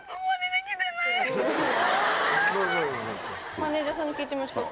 マネジャーさんに聞いてみましょうか。